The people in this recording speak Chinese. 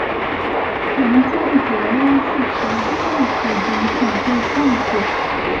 玩家的主要任务是从战俘营拯救战俘。